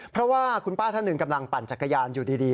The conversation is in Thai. เพราะว่าคุณป้าท่านหนึ่งกำลังปั่นจักรยานอยู่ดี